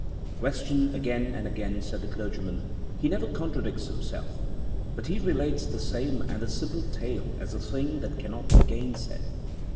'Questioned again and again,' said the clergyman, 'he never contradicts himself; but he relates the same and the simple tale as a thing that cannot be gainsaid.